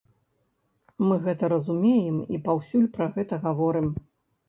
Мы гэта разумеем і паўсюль пра гэта гаворым.